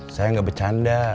saya gak bercanda